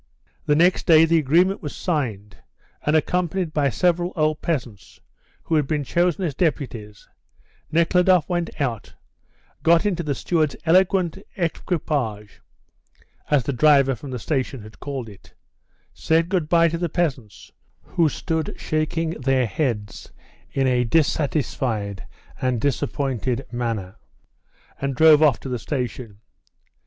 The next day the agreement was signed, and accompanied by several old peasants, who had been chosen as deputies, Nekhludoff went out, got into the steward's elegant equipage (as the driver from the station had called it), said "good bye" to the peasants, who stood shaking their heads in a dissatisfied and disappointed manner, and drove off to the station.